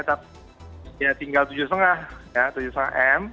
tapi ya tinggal tujuh lima ya tujuh lima m